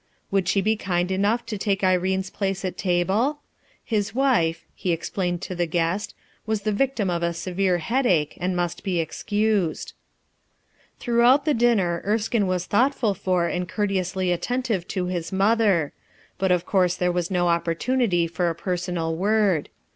Would she be kind enough to take Irene's place at table ? His wife, he explained to the guest, was the victim of a severe headache and must be excused. Throughout the dinner Erskine was thought ful for and courteously attentive to his mother; but of course there was no opportunity for a personal word.